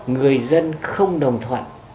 người dân không đồng thuận